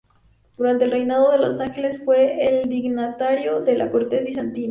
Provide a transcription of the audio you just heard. Durante el reinado de los Ángeles fue un dignatario de la corte bizantina.